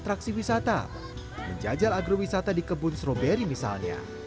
atraksi wisata menjajal agrowisata di kebun stroberi misalnya